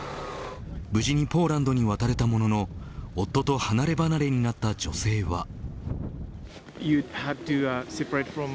無事にポーランドに渡れたものの夫と離れ離れになった女性は。